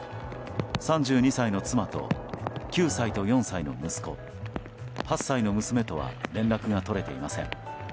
３２歳の妻と９歳と４歳の息子８歳の娘とは連絡が取れていません。